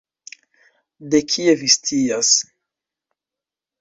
De kie vi scias?